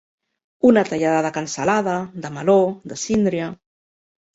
Una tallada de cansalada, de meló, de síndria.